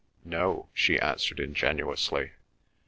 "No," she answered ingenuously.